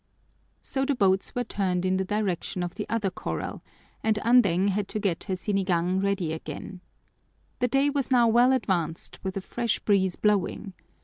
So the boats were turned in the direction of the other corral and Andeng had to get her sinigang ready again. The day was now well advanced, with a fresh breeze blowing.